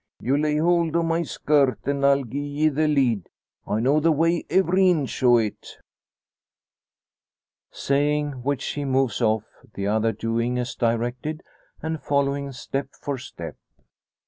You lay hold o' my skirt, and I'll gie ye the lead. I know the way, every inch o' it." Saying which he moves off, the other doing as directed, and following step for step.